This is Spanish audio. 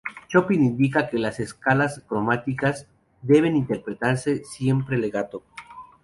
Chopin indica que las escalas cromáticas deben interpretarse "sempre legato".